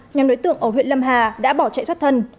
nhóm đối tượng ở huyện lâm hà đã bỏ chạy thoát thân